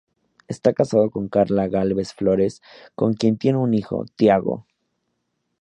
Está casado con Karla Gálvez Flores, con quien tiene un hijo: Thiago.